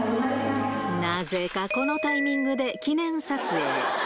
なぜかこのタイミングで記念撮影。